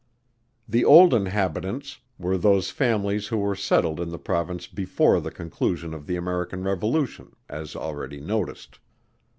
The old Inhabitants, were those families who were settled in the Province before the conclusion of the American revolution, as already noticed.